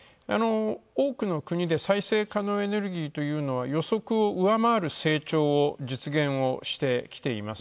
多くの国で再生可能エネルギーというのは予測を上回る成長を実現をしてきています。